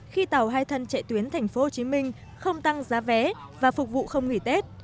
khi tàu hai thân chạy tuyến thành phố hồ chí minh không tăng giá vé và phục vụ không nghỉ tết